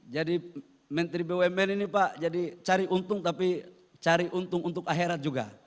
jadi menteri bumn ini pak jadi cari untung tapi cari untung untuk akhirat juga